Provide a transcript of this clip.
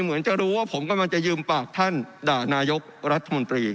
เหมือนจะรู้ว่าผมกำลังจะยืมปากท่านด่านายกรัฐมนตรี